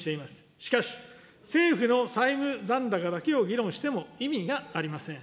しかし、政府の債務残高だけを議論しても意味がありません。